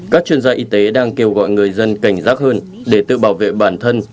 các chuyên gia y tế đang kêu gọi người dân cảnh giác hơn để tự bảo vệ bản thân